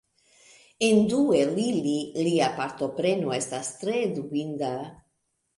En du el ili, lia partopreno estas tre dubinda.